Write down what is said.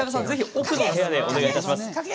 奥の部屋でお願いします。